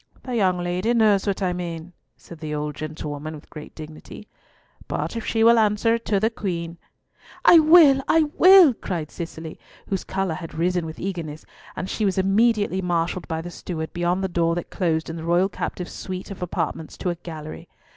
"The young lady knows what I mean," said the old gentlewoman with great dignity, "but if she will answer it to the Queen—" "I will, I will," cried Cicely, whose colour had risen with eagerness, and she was immediately marshalled by the steward beyond the door that closed in the royal captive's suite of apartments to a gallery.